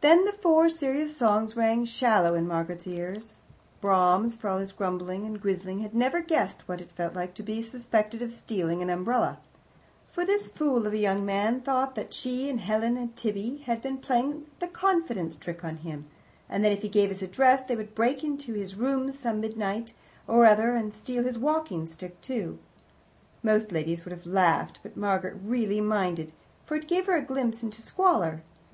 Then the Four Serious Songs rang shallow in Margaret's ears. Brahms, for all his grumbling and grizzling, had never guessed what it felt like to be suspected of stealing an umbrella. For this fool of a young man thought that she and Helen and Tibby had been playing the confidence trick on him, and that if he gave his address they would break into his rooms some midnight or other and steal his walkingstick too. Most ladies would have laughed, but Margaret really minded, for it gave her a glimpse into squalor.